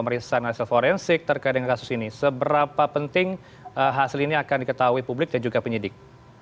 pemeriksaan hasil forensik terkait dengan kasus ini seberapa penting hasil ini akan diketahui publik dan juga penyidik